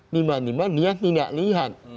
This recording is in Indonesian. nima nima dia tidak lihat